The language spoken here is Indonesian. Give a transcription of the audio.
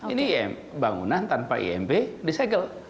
ini bangunan tanpa imb disegel